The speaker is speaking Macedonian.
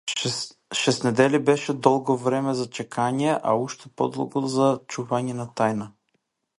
Шест недели беше долго време за чекање, а уште подолго за чување на тајна.